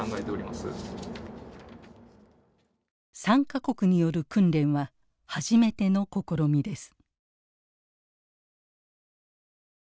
３か国による訓練は初めての試みです。